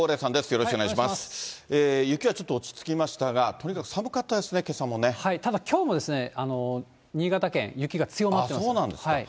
雪はちょっと落ち着きましたが、とにかく寒かったですね、けさもただきょうも、新潟県、雪が強まってます。